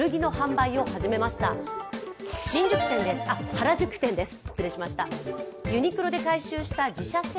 原宿店です。